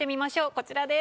こちらです。